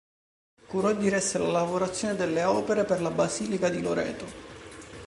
Curò e diresse la lavorazione delle opere per la Basilica di Loreto.